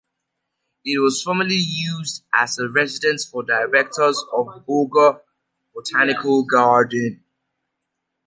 It was formerly used as a residence for directors of Bogor Botanical Garden.